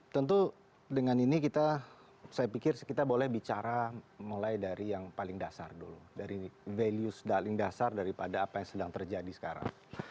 tentu dengan ini kita saya pikir kita boleh bicara mulai dari yang paling dasar dulu dari values paling dasar daripada apa yang sedang terjadi sekarang